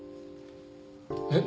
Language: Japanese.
えっ？